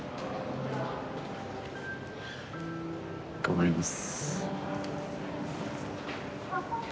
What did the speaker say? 頑張ります。